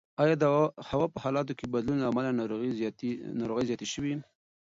ایا د هوا په حالاتو کې د بدلون له امله ناروغۍ زیاتې شوي؟